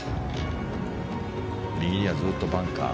右にはずっとバンカー。